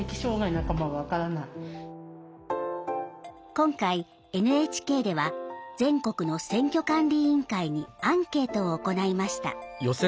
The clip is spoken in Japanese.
今回、ＮＨＫでは全国の選挙管理委員会にアンケートを行いました。